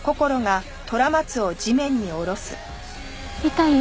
痛い？